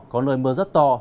có nơi mưa rất to